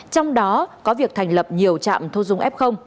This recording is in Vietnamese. trong đó có việc thành lập nhiều trạm thu dung f